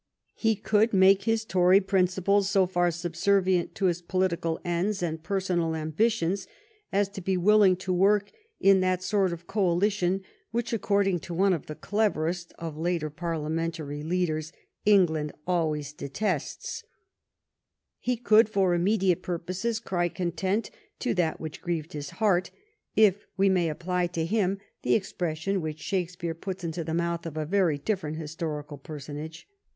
He could make his Tory principles so far subservient to his political ends and personal ambitions as to be willing to work in that sort of coalition which, according to one of the cleverest of later parliamentary leaders, England always de 816 "HARLEY, THE NATION'S GREAT SUPPORT '» tests. He could for immediate purposes cry content to that which grieved his heart, if we may apply to him the expression which Shakespeare puts into the mouth of a very different historical personage.